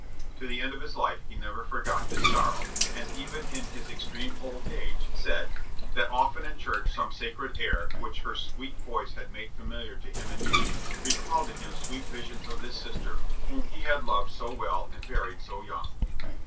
To the end of his life, he never forgot this sorrow; and, even in his extreme old age, said "that often in church some sacred air, which her sweet voice had made familiar to him in youth, recalled to him sweet visions of this sister, whom he had loved so well and buried so young."